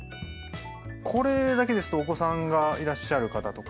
これだけですとお子さんがいらっしゃる方とか。